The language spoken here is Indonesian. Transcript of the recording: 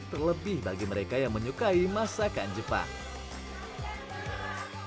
terlebih bagi mereka yang menyukai masakan jepang